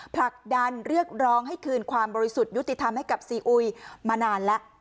ผลักดันเรียกร้องให้คืนความบริสุทธิ์ยุติธรรมให้กับซีอุยมานานแล้ว